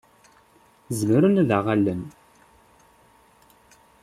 Zemren ad aɣ-allen?